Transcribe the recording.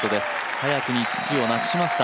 早くに父を亡くしました。